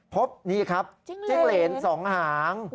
พบนี่ครับจิ้งเหรน๒หาง